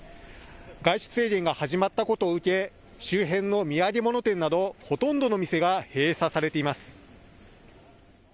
外出制限が始まったことを受け、周辺の土産物店などほとんどの店が閉鎖されています。